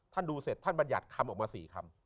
ท่านดูเสร็จท่านบรรยัติคำออกมา๔คำ